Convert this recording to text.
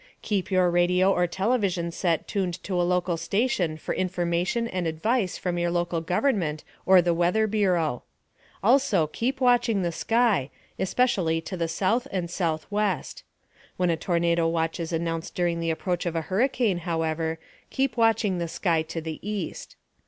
Keep your radio or television set tuned to a local station for information and advice from your local government or the Weather Bureau. Also, keep watching the sky, especially to the south and southwest. (When a tornado watch is announced during the approach of a hurricane, however, keep watching the sky to the east.)